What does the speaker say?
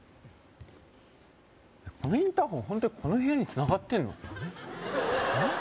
このインターホンホントにこの部屋につながってんの？